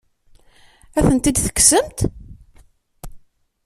Ad tent-id-tekksemt?